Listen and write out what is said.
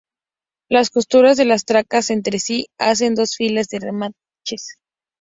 Las costuras de las tracas entre sí se hacen con dos filas de remaches.